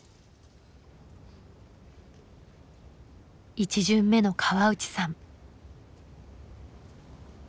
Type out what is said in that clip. １巡目の河内さん。